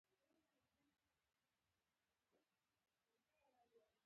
سر کوڅه یې عرفات دی او مقام یې کعبه.